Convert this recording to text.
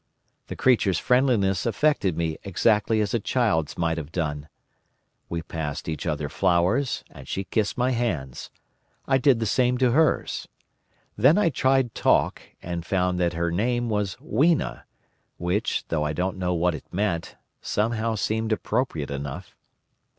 The creature's friendliness affected me exactly as a child's might have done. We passed each other flowers, and she kissed my hands. I did the same to hers. Then I tried talk, and found that her name was Weena, which, though I don't know what it meant, somehow seemed appropriate enough.